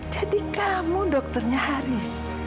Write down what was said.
jadi kamu dokternya haris